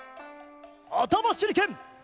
あたましゅりけん！